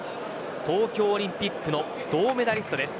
東京オリンピックの銅メダリストです。